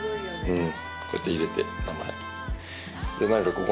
うん。